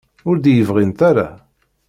Ur d-iyi-bɣint ara?